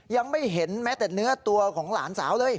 ยังไม่เห็นแม้แต่เนื้อตัวของหลานสาวเลย